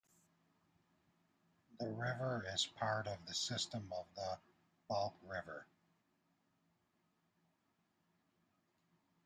The river is part of the system of the Balkh River.